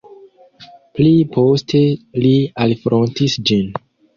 Pli poste li alfrontis ĝin.